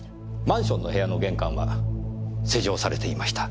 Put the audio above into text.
マンションの部屋の玄関は施錠されていました。